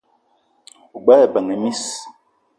O gbele ebeng e miss :